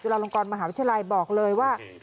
ลงกรมหาวิทยาลัยบอกเลยว่า